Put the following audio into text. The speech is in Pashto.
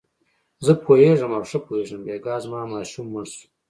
زه پوهېږم او ښه پوهېږم، بېګا زما ماشوم مړ شو.